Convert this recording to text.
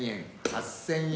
８，０００円。